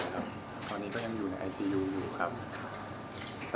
เอาจริงสิสวัสดีเท่าไรครับตอนนี้ก็ยังอยู่ในไอศูนย์